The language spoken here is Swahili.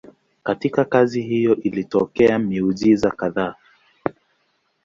Katika kazi hiyo ilitokea miujiza kadhaa.